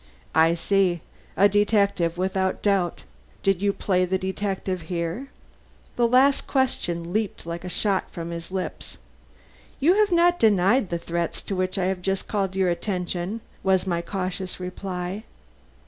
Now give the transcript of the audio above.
"I see. A detective without doubt. Did you play the detective here?" The last question leaped like a shot from his lips. "You have not denied the threats to which I have just called your attention," was my cautious reply.